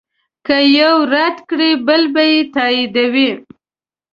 که یو رد کړې بل به یې تاییدوي.